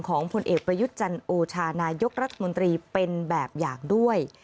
ผลเอกประยุทธ์จันโอชานายกรัฐมนตรีเป็นแบบอย่างด้วย